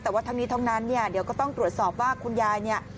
แต่ว่าทั้งนี้ทั้งนั้นเดี๋ยวก็ต้องตรวจสอบว่าคุณยาย